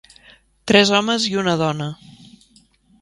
Tres homes i una dona.